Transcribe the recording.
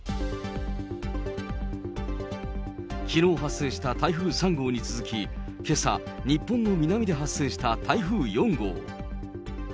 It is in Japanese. きのう発生した台風３号に続き、けさ、日本の南で発生した台風４号。